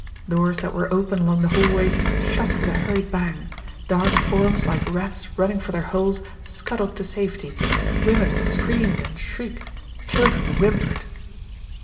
Doors that were open along the hallways shut with a hurried bang; dark forms, like rats running for their holes, scuttled to safety; women screamed and shrieked; children whimpered.